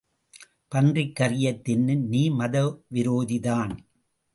பன்றிக் கறியைத் தின்னும் நீ மத விரோதிதான்.